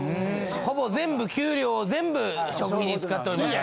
ほぼ全部給料を全部食費に使っております。